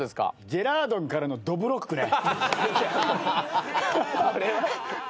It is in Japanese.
ジェラードンからのどぶろっくね。